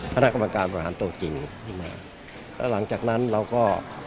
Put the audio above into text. คณะกรรมการบริหารตัวจริงแล้วหลังจากนั้นเราก็